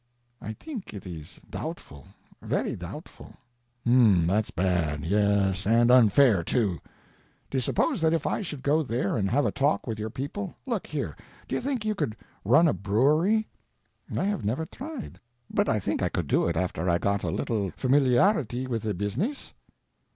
"I think it is doubtful; very doubtful." "Um—that's bad—yes, and unfair, too. Do you suppose that if I should go there and have a talk with your people—Look here—do you think you could run a brewery?" "I have never tried, but I think I could do it after I got a little familiarity with the business."